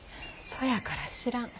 そやから知らん。